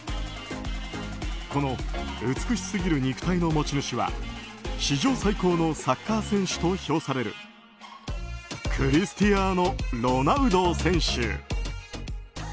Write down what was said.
この美しすぎる肉体の持ち主は史上最高のサッカー選手と評されるクリスティアーノ・ロナウド選手。